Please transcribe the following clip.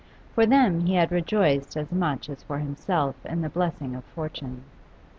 For them he had rejoiced as much as for himself in the blessing of fortune.